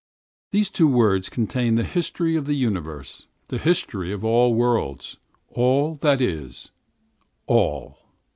These two words contain the history of the universe, all the history of worlds, all that is, all!